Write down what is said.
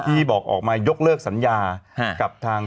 ที่บอกออกมายกเลิกสัญญากับทาง